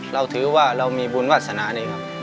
เราถือว่าเรามีบุญวาสนาเลยครับ